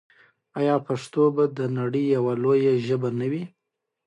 آیا پښتو به د نړۍ یوه لویه ژبه نه وي؟